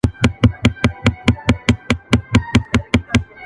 غوجله لا هم خاموشه ده ډېر,